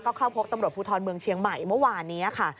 เข้าพบตำรวจภูทรเมืองเชียงใหม่เมื่อวานนี้ค่ะ